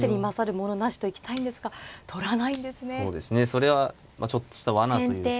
それはちょっとした罠というか。